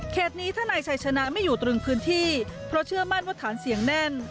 นี้ถ้านายชัยชนะไม่อยู่ตรึงพื้นที่เพราะเชื่อมั่นว่าฐานเสียงแน่น